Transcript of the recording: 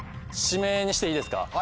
指名にしていいですか？